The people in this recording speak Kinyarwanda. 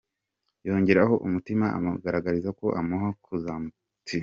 yongeraho umutima amugaragariza ko amuhoza ku mutima’’.